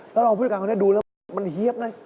แล้วรองผู้การของเรานี่ดูหลังมามันเหี้ยบหน่อย